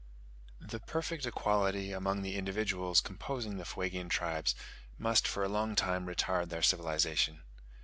The perfect equality among the individuals composing the Fuegian tribes must for a long time retard their civilization.